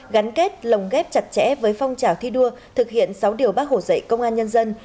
gắn kết lồng ghép chặt chẽ với phong trào thi đua thực hiện sáu điều bác hồ dạy công an nhân dân